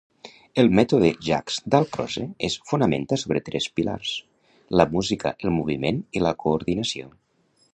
El mètode Jaques-Dalcroze es fonamenta sobre tres pilars: la música, el moviment i la coordinació.